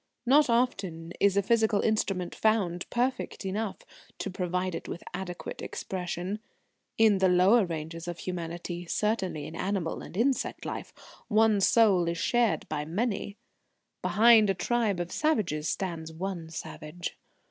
Not often is a physical instrument found perfect enough to provide it with adequate expression. In the lower ranges of humanity certainly in animal and insect life one soul is shared by many. Behind a tribe of savages stands one Savage.